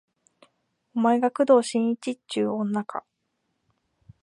お前が工藤新一っちゅう女か